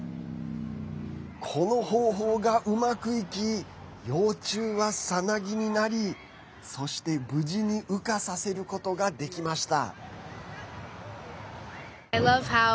この方法がうまくいき幼虫は、さなぎになりそして、無事に羽化させることができました。